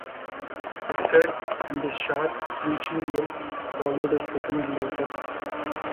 A thud and a sharp screeching yell followed a second later.